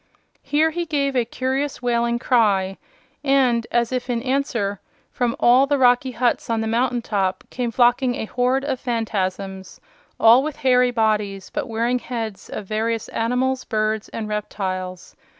Here he gave a curious wailing cry, and, as if in answer, from all the rocky huts on the mountain top came flocking a horde of Phanfasms, all with hairy bodies, but wearing heads of various animals, birds and reptiles.